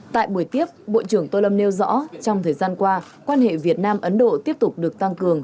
tại buổi tiếp bộ trưởng tô lâm nêu rõ trong thời gian qua quan hệ việt nam ấn độ tiếp tục được tăng cường